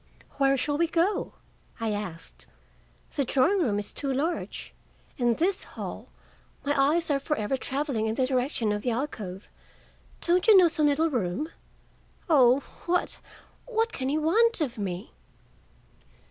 "Where shall we go?" I asked. "The drawing room is too large. In this hall my eyes are for ever traveling in the direction of the alcove. Don't you know some little room? Oh, what, what can he want of me?"